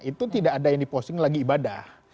itu tidak ada yang diposting lagi ibadah